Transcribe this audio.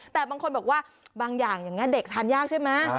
แต่บางคนบอกว่าบางอย่างเด็กทานยากใช่มั้ย